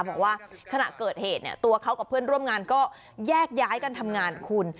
บอกว่าขณะเกิดเหตุเนี่ยตัวเขากับเพื่อนร่วมงานก็แยกย้ายกันทำงานคุณ